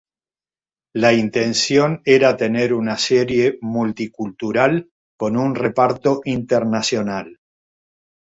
La intención era tener una serie multi-cultural con un reparto internacional.